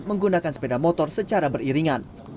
menggunakan sepeda motor secara beriringan